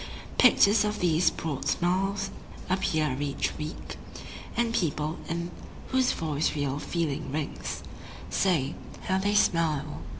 Pictures of these broad smiles appear each week, And people in whose voice real feeling rings Say: How they smile!